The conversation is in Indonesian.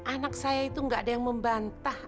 anak saya itu gak ada yang membantah